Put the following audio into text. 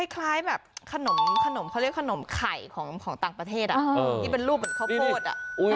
คล้ายแบบขนมเขาเรียกขนมไข่ของต่างประเทศที่เป็นรูปเหมือนข้าวโพด